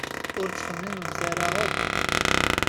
Ur ttxemmiment ara akk!